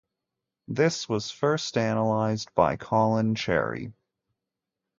This was first analyzed by Colin Cherry.